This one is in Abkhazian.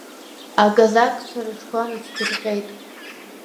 Аказакцәа рыҽқәа наҵдырҟьеит.